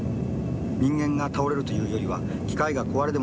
人間が倒れるというよりは機械が壊れでもしたように